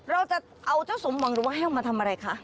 เราจะเอาเจ้าสมหวังหรือว่าแห้วมาทำอะไรคะ